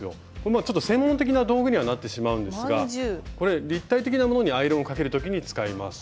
ちょっと専門的な道具にはなってしまうんですがこれ立体的なものにアイロンをかけるときに使います。